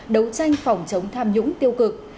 đấu tranh phòng chống tham nhũng tiêu cực